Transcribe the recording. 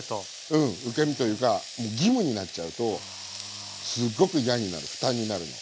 うん受け身というか義務になっちゃうとすごく嫌になる負担になるの。